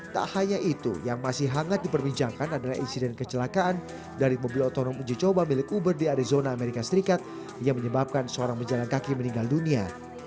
tak hanya itu yang masih hangat diperbincangkan adalah insiden kecelakaan dari mobil otonom uji coba milik uber di arizona amerika serikat yang menyebabkan seorang berjalan kaki meninggal dunia